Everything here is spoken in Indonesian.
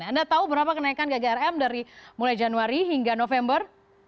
anda tahu berapa kenaikan ggrm dari mulai januari hingga november